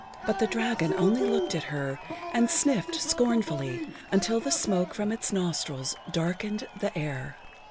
But the dragon only looked at her and sniffed scornfully until the smoke from its nostrils darkened the air.